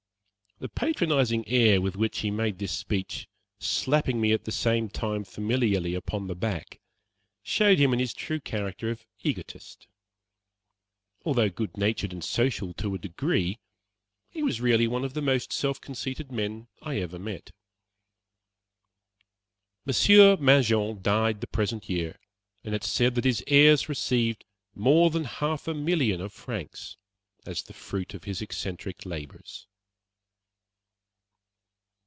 The patronizing air with which he made this speech, slapping me at the same time familiarly upon the back, showed him in his true character of egotist. Although good natured and social to a degree, he was really one of the most self conceited men I ever met. Monsieur Mangin died the present year, and it is said that his heirs received more than half a million of francs as the fruit of his eccentric labors.